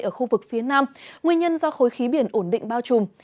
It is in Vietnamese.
ở khu vực phía nam nguyên nhân do khối khí biển ổn định bao trùm